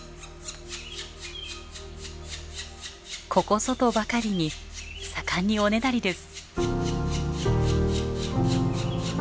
ここぞとばかりに盛んにおねだりです。